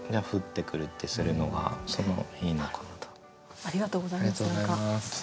ありがとうございます。